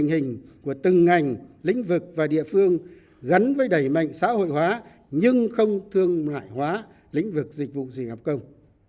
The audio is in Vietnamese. tình hình của từng ngành lĩnh vực và địa phương gắn với đẩy mạnh xã hội hóa nhưng không thương mại hóa lĩnh vực dịch vụ dịch vụ hợp công